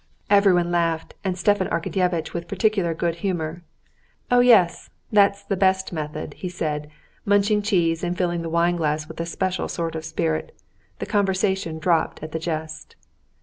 Everyone laughed, and Stepan Arkadyevitch with particular good humor. "Oh, yes, that's the best method!" he said, munching cheese and filling the wine glass with a special sort of spirit. The conversation dropped at the jest.